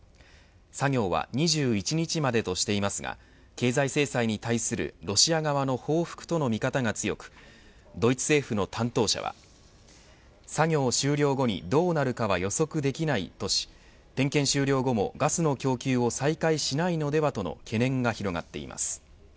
作業は２１日までとしていますが経済制裁に対するロシア側の報復との見方が強くドイツ政府の担当者は作業終了後にどうなるかは予測できないとし点検終了後もガスの供給を再開しないのではとの懸念が広がっています。